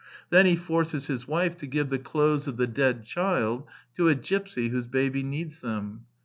Then he forces The Plays 53 his wife to give the clothes of the dead child to a gipsy whose baby needs them.